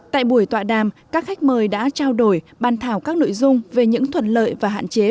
tại buổi tọa đàm các khách mời đã trao đổi bàn thảo các nội dung về những thuận lợi và hạn chế